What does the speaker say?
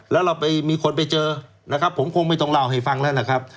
แล้วเราไปมีคนไปเจอนะครับผมคงไม่ต้องเล่าให้ฟังแล้วนะครับ